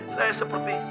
saya seperti itu